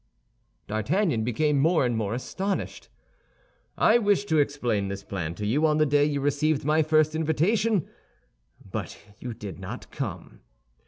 D'Artagnan became more and more astonished. "I wished to explain this plan to you on the day you received my first invitation; but you did not come.